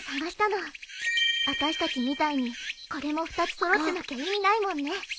あたしたちみたいにこれも二つ揃ってなきゃ意味ないもんね。